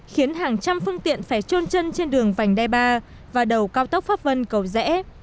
khiến hàng trăm phương tiện phải trôn chân trên đường vành đai ba và đầu cao tốc pháp vân cầu rẽ